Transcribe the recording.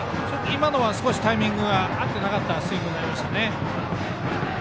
今のは少しタイミングが合ってなかったスイングになりましたね。